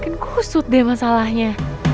makin kusut deh masalahnya